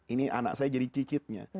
ini anak saya jadi cicitnya